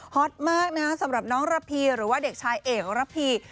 อตมากนะสำหรับน้องระพีหรือว่าเด็กชายเอกระพี